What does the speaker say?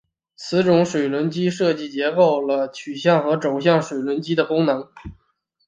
此种水轮机设计结合了径向和轴向水轮机的功能。